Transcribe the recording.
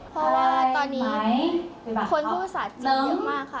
เพราะว่าตอนนี้คนพูดภาษาจีนเยอะมากค่ะ